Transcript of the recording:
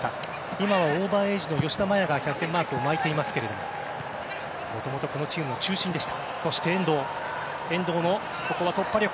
今はオーバーエージの吉田麻也がキャプテンマークを巻いていますけれどももともとこのチームの中心でした。